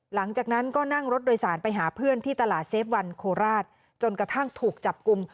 หลังจากนั้นก็นั่งรถโดยสารไปหาเพื่อนที่ตลาดเซฟวันโคราชจนกระทั่งถูกจับกลุ่ม